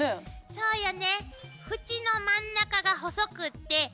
そうよね。